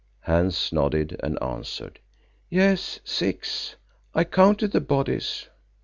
Hans nodded and answered, "Yes, six. I counted the bodies."